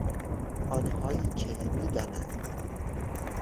آنهایی که میدانند